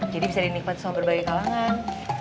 jadi bisa dinikmatkan sama berbagai kalangan